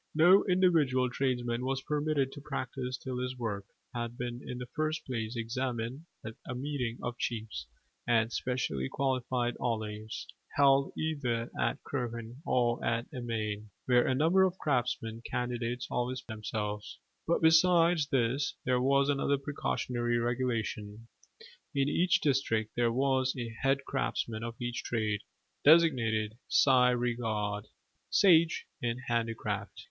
No individual tradesman was permitted to practise till his work had been in the first place examined at a meeting of chiefs and specially qualified ollaves, held either at Croghan or at Emain, where a number of craftsmen candidates always presented themselves. But besides this there was another precautionary regulation. In each district there was a head craftsman of each trade, designated sai re cérd [see re caird], i.e., "sage in handicraft."